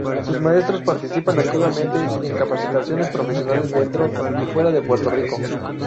Sus maestros participan activamente en capacitaciones profesionales dentro y fuera de Puerto Rico.